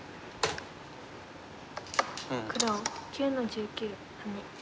黒９の十九ハネ。